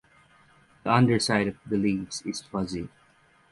The underside of the leaves is fuzzy.